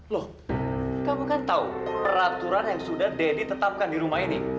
loh kamu kan tahu peraturan yang sudah deddy tetapkan di rumah ini